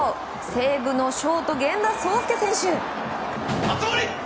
西武のショート、源田壮亮選手。